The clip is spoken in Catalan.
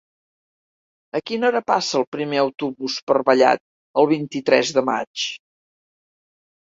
A quina hora passa el primer autobús per Vallat el vint-i-tres de maig?